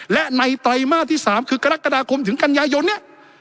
และในไตรมาสที่๓คือกรกฎาคมถึงกันยายนเนี่ย